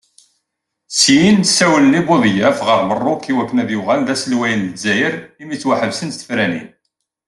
Syin, ssawlen i Buḍyaf ɣer Merruk iwakken ad yuɣal d aselway n Lezzayer imi ttwaḥebsent tefranin.